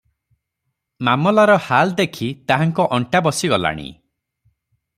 ମାମଲାର ହାଲ ଦେଖି ତାହାଙ୍କ ଅଣ୍ଟା ବସିଗଲାଣି ।